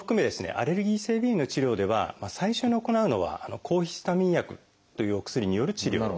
アレルギー性鼻炎の治療では最初に行うのは抗ヒスタミン薬というお薬による治療法ですね。